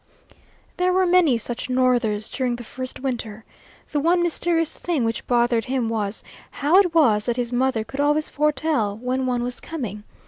There were many such northers during the first winter. The one mysterious thing which bothered him was, how it was that his mother could always foretell when one was coming.